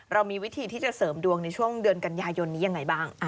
เรามีวิธีที่จะเสริมดวงในช่วงเดือนกันยายนนี้ยังไงบ้าง